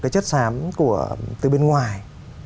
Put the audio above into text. chất sám từ bên ngoài